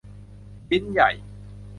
ชิ้นใหญ่